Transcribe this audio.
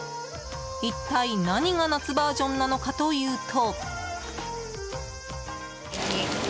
一体、何が夏バージョンなのかというと。